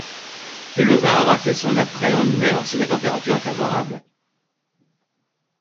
Ce levain aura fait son apprêt en une heure si la température est favorable.